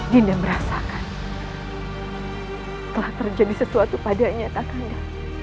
dinda merasakan telah terjadi sesuatu pada nyata kakanda